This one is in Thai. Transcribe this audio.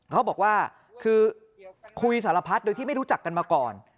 เขาบอกว่าคือคุยสารพัดโดยที่ไม่รู้จักกันมาก่อน